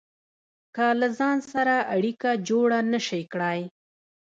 که له ځان سره اړيکه جوړه نشئ کړای.